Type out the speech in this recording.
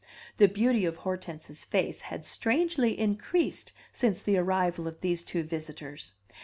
The beauty of Hortense's face had strangely increased since the arrival of these two visitors.